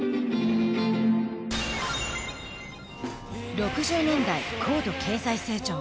６０年代高度経済成長。